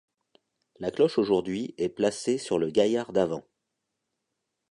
La cloche aujourd'hui est placée sur le gaillard d'avant.